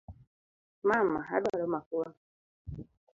Mama, aduaro mafua